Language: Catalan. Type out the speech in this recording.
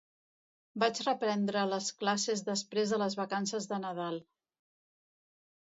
Vaig reprendre les classes després de les vacances de Nadal.